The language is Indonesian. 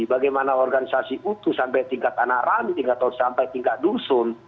bagaimana organisasi utuh sampai tingkat anak ranting atau sampai tingkat dusun